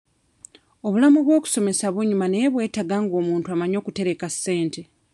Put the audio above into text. Obulamu bw'okusomesa bunyuma naye bwetaaga nga omuntu amanyi okutereka ssente.